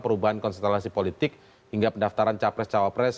perubahan konstelasi politik hingga pendaftaran capres cawapres